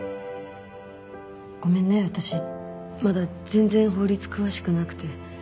ごめんね私まだ全然法律詳しくなくて。